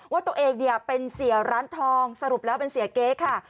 ว่าตัวเองเนี่ยเป็นเสียร้านทองสรุปแล้วเป็นเสียเก๊ค่ะ